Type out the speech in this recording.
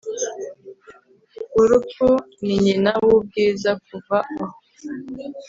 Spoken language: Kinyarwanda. urupfu ni nyina w'ubwiza; kuva aho